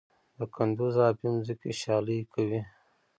د کندز ابي ځمکې شالې کوي؟